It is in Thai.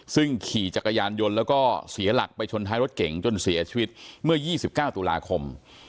ซึ่งขี่จักรยานยนต์แล้วก็เสียหลักไปชนท้ายรถเก๋งจนเสียชีวิตเมื่อ๒๙ตุลาคม